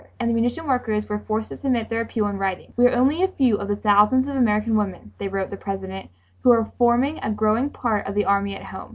And the munition workers were forced to submit their appeal in writing. "We are only a few of the thousands of American women," they wrote the President, "who are forming a growing part of the army at home.